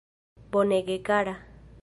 Bonege kara.